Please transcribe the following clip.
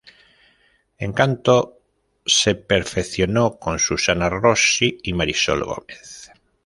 En canto se perfeccionó con Susana Rossi y Marisol Gómez.